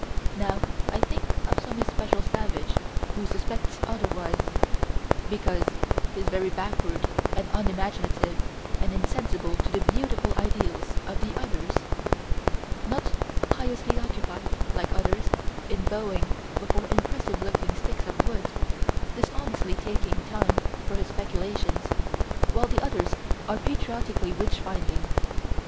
Now I think of some especial savage who suspects otherwise because he's very backward and unimaginative and insensible to the beautiful ideals of the others: not piously occupied, like the others, in bowing before impressive looking sticks of wood; dishonestly taking time for his speculations, while the others are patriotically witch finding.